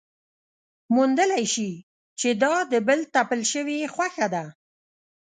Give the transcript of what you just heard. موندلی شي چې دا د بل تپل شوې خوښه ده.